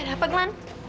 ada apa glenn